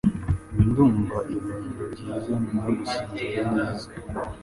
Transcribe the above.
Ndumva ibirundo byiza nyuma yo gusinzira neza.